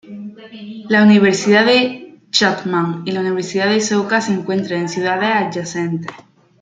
La Universidad de Chapman y la Universidad de Soka se encuentran en ciudades adyacentes.